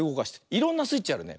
いろんなスイッチあるね。